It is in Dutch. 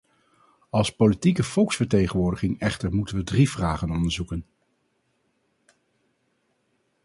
Als politieke volksvertegenwoordiging echter moeten we drie vragen onderzoeken.